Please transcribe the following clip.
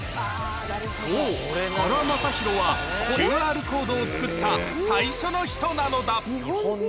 そう、原昌宏は、ＱＲコードを作った、さいしょの人なのだ。